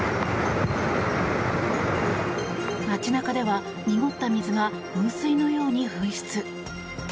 街中では濁った水が噴水のように噴出。